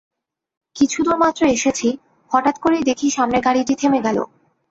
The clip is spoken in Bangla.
কিছু দূর মাত্র এসেছি, হঠাৎ করেই দেখি সামনের গাড়িটি থেমে গেল।